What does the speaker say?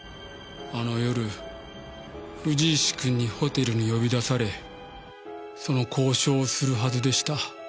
あの夜藤石くんにホテルに呼び出されその交渉をするはずでした。